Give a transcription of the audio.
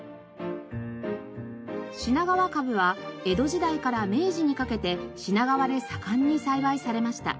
品川カブは江戸時代から明治にかけて品川で盛んに栽培されました。